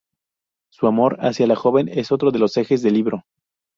Su amor hacia la joven es otro de los ejes del libro.